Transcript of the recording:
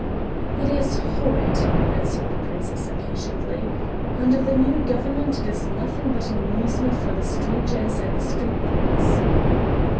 "It is horrid," answered the princess impatiently. "Under the new government it is nothing but an amusement for the strangers and street boys."